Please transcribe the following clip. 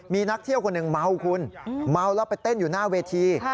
มีนักเที่ยวคนหนึ่งเมาคุณเมาแล้วไปเต้นอยู่หน้าเวที